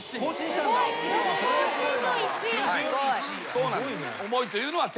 そうなんです。